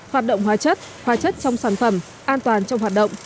hoạt động hóa chất hóa chất trong sản phẩm an toàn trong hoạt động